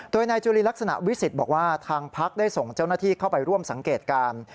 โดยนายจุลีลักษณะวิสิทธิ์บอกว่าทางพักได้ส่งเจ้าหน้าที่เข้าไปร่วมสังเกตการณ์